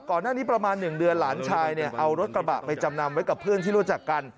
ก่อนหน้านี้ประมาณ๑เดือนหลานชายเนี่ยเอารถกระบะไปจำนำไว้กับเพื่อนที่รู้จักกัน